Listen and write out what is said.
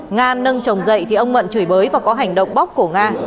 nga nâng trồng dậy thì ông mận chửi bới và có hành động bóc của nga